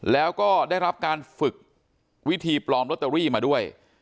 แล้วก็ได้รับการฝึกวิธีปลอมลอตเตอรี่มาด้วย